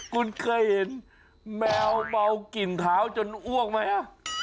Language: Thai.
คุณเคยเห็นแมวเมากลิ่นเท้าจนอ้วกไหม